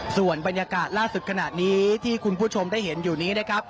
ส่วนบรรยากาศล่าสุดขณะนี้ที่คุณผู้ชมได้เห็นอยู่นี้นะครับ